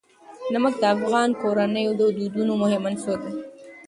نمک د افغان کورنیو د دودونو مهم عنصر دی.